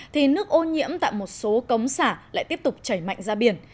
thì nước ô nhiễm tại một số cống xả lại tiếp tục chảy mạnh ra biển